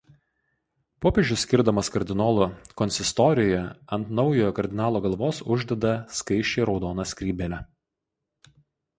Popiežius skirdamas kardinolu konsistorijoje ant naujojo kardinolo galvos uždeda skaisčiai raudoną skrybėlę.